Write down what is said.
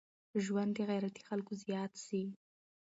ژوند دي د غيرتي خلکو زيات سي.